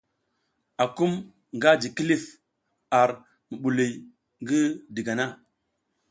Akum nga ji kilif ar mubuliy ngi digana.